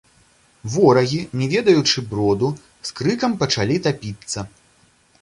Ворагі, не ведаючы броду, з крыкам пачалі тапіцца.